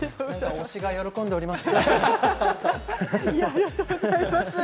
推しが喜んでおります。